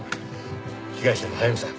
被害者の速水さん